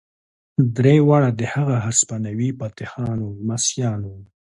درې واړه د هغو هسپانوي فاتحانو لمسیان وو.